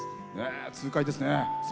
痛快ですね。